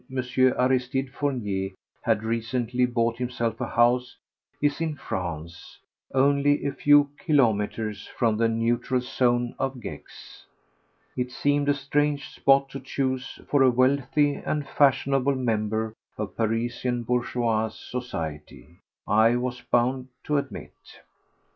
Aristide Fournier had recently bought himself a house, is in France, only a few kilometres from the neutral zone of Gex. It seemed a strange spot to choose for a wealthy and fashionable member of Parisian bourgeois society, I was bound to admit.